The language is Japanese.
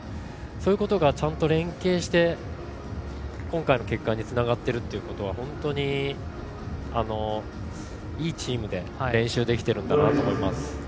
そういうことがちゃんと連携して今回の結果につながっているということは本当にいいチームで練習できていると思います。